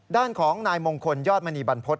ด้านของนายมงคลยอดมณีบรรพฤษ